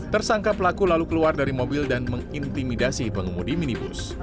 tersangka pelaku lalu keluar dari mobil dan mengintimidasi pengemudi minibus